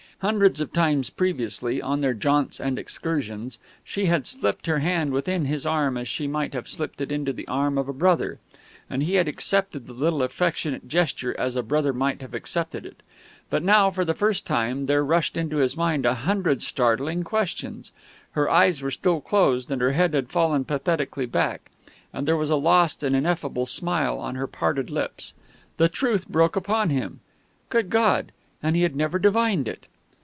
Hundreds of times previously, on their jaunts and excursions, she had slipped her hand within his arm as she might have slipped it into the arm of a brother, and he had accepted the little affectionate gesture as a brother might have accepted it. But now, for the first time, there rushed into his mind a hundred startling questions. Her eyes were still closed, and her head had fallen pathetically back; and there was a lost and ineffable smile on her parted lips. The truth broke in upon him. Good God!... And he had never divined it!